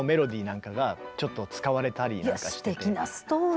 いやっすてきなストーリー。